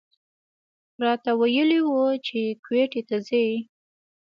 راته ویلي و چې کویټې ته ځي.